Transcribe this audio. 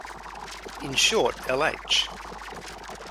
In Short Lh.